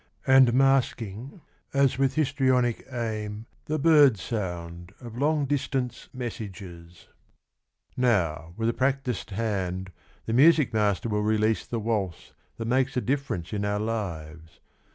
\ml masking as with histrionic aim The bird sound of long distance message 31 Valse Estudiantina. Now with a practised hand The music master will release the waltz That makes a difference in our lives.